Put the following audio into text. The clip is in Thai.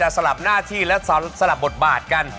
สลับหน้าที่และสลับบทบาทกัน